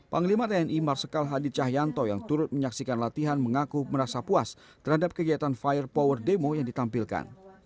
panglima tni marsikal hadi cahyanto yang turut menyaksikan latihan mengaku merasa puas terhadap kegiatan fire power demo yang ditampilkan